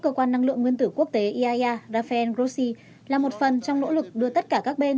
cơ quan năng lượng nguyên tử quốc tế iaea rafael grossi là một phần trong nỗ lực đưa tất cả các bên